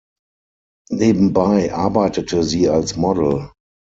Nebenbei arbeitete sie als Model.